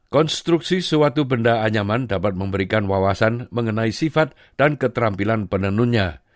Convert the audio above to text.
konstruksi suatu benda anyaman dapat memberikan wawasan mengenai sifat dan keterampilan penenunnya